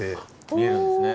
見えるんですね。